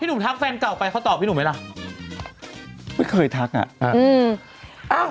พี่หนุ่มทักแฟนเก่าไปเขาตอบพี่หนุ่มมั้ยล่ะ